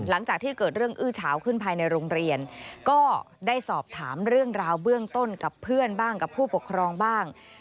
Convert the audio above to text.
หลังจากที่เกิดเรื่องอื้อเฉาขึ้นภายในโรงเรียนก็ได้สอบถามเรื่องราวเบื้องต้นกับเพื่อนบ้างกับผู้ปกครองบ้าง